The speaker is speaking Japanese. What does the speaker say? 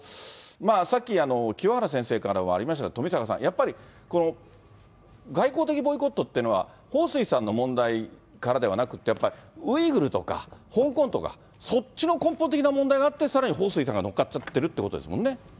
さっき、清原先生からはありましたけど、富坂さん、やっぱりこの外交的ボイコットっていうのは彭帥さんの問題からではなくて、やっぱりウイグルとか香港とか、そっちの根本的な問題があって、さらに彭帥さんが乗っかっちゃってるということですもんね。